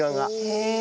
へえ。